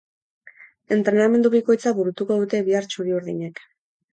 Entrenamendu bikoitza burutuko dute bihar txuri-urdinek.